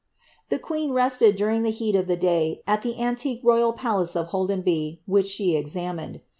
The i^ueen resled, during the heat of the day, at ihe antique rcyal palace of Iloldenby, whidi she examined.'